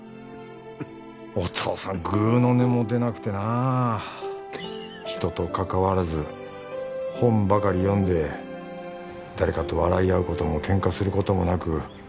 お父さんぐうの音も出なくてな人とかかわらず本ばかり読んで誰かと笑い合うこともケンカすることもなく